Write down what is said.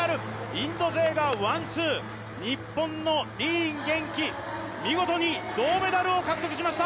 インド勢がワンツー、日本のディーン元気、見事に銅メダルを獲得しました！